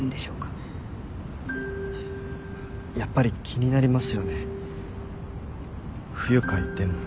やっぱり気になりますよね不愉快でも。